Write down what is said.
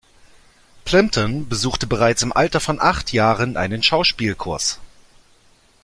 Plimpton besuchte bereits im Alter von acht Jahren einen Schauspielkurs.